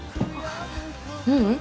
ううん。